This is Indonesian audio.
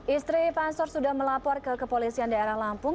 istri pansor sudah melapor ke kepolisian daerah lampung